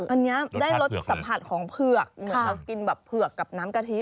อันนี้ได้รสสัมผัสของเผือกเหมือนเรากินแบบเผือกกับน้ำกะทิ